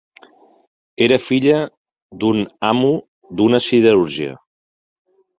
Era filla d'un amo d'una siderúrgia.